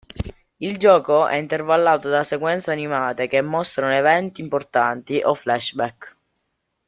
Il gioco è intervallato da sequenze animate che mostrano eventi importanti o flashback.